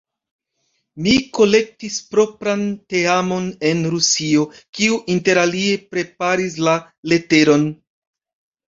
Mi kolektis propran teamon en Rusio, kiu interalie preparis la leteron.